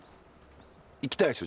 行きたいでしょ？